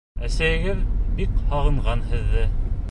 Әсәйегеҙ бик һағынған һеҙҙе...